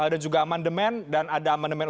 dan juga amandemen dan ada amandemen